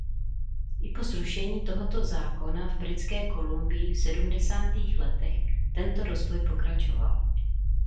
I po zrušení tohoto zákona v Britské Kolumbii v sedmdesátých letech tento rozvoj pokračoval.